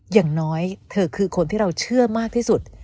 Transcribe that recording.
อย่างน้อยเธอคือคนที่เราเชื่อมากที่สุด